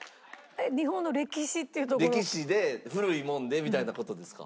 歴史で古いもんでみたいな事ですか？